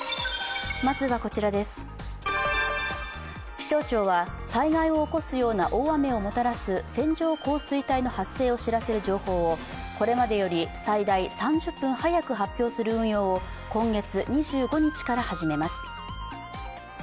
気象庁は災害を起こすような大雨をもたらす線状降水帯の発生を知らせる情報をこれまでより最大３０分早く発表する運用を今月２５日から始めます。